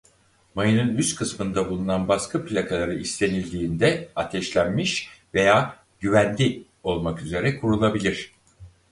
Mayının üst kısmında bulunan baskı plakaları istenildiğinde "Ateşlenmiş" veya "Güvenli" olmak üzere kurulabilir.